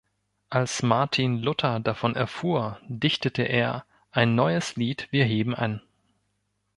Als Martin Luther davon erfuhr, dichtete er "Ein neues Lied wir heben an".